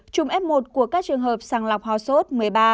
hai chùm f một của các trường hợp sàng lọc hòa sốt một mươi ba